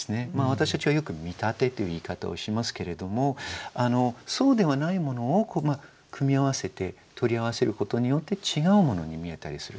私たちはよく見立てという言い方をしますけれどもそうではないものを組み合わせて取り合わせることによって違うものに見えたりする。